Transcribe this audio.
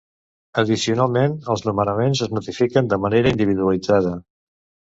Addicionalment, els nomenaments es notifiquen de manera individualitzada.